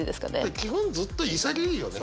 基本ずっと潔いよね。